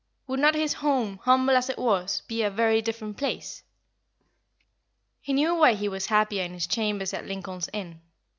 Would not his home, humble as it was, be a very different place? He knew why he was happier in his chambers at Lincoln's Inn.